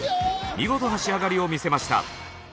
見事な仕上がりを見せました。